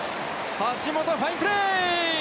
橋本、ファインプレー！